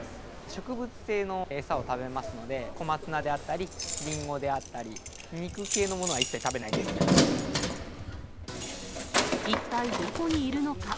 植物性の餌を食べますので、小松菜であったり、リンゴであったり、肉系のものは一切食べない一体どこにいるのか。